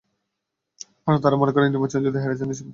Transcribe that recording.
কারণ তারা মনে করেন নির্বাচনে যদি হেরে যান এসব মাস্তান লাগবে।